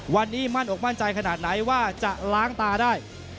วันนี้มั่นอกมั่นใจขนาดไหนว่าจะล้างตาได้